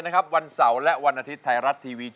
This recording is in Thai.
รายการต่อไปนี้เป็นรายการทั่วไปสามารถรับชมได้ทุกวัย